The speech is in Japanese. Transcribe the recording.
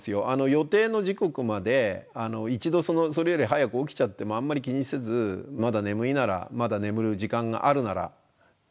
予定の時刻まで一度それより早く起きちゃってもあんまり気にせずまだ眠いならまだ眠る時間があるならぜひ寝て下さい。